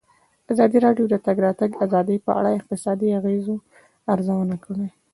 ازادي راډیو د د تګ راتګ ازادي په اړه د اقتصادي اغېزو ارزونه کړې.